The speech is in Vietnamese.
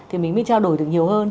thì mình mới trao đổi được nhiều hơn